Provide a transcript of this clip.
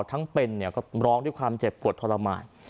ทั้งเป็นเนี่ยก็ร้องด้วยความเจ็บปวดทรมาน